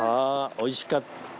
おいしかった。